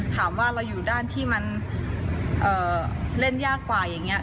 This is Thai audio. ถามว่าอะไรอนร้อยอยู่ด้านที่มันเล่นยากกว่าอย่างเงี้ย